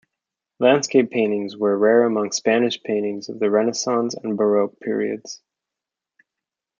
Landscape paintings were rare among Spanish paintings of the Renaissance and Baroque periods.